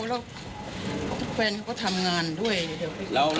เพราะว่าทุกแฟนเขาก็ทำงานด้วยเดี๋ยว